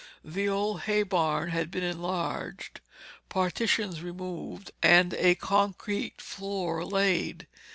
The old hay barn had been enlarged, partitions removed and a concrete floor laid.